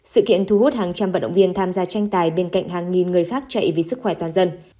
sự kiện thu hút hàng trăm vận động viên tham gia tranh tài bên cạnh hàng nghìn người khác chạy vì sức khỏe toàn dân